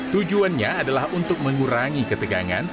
tujuannya adalah untuk mengurangi ketegangan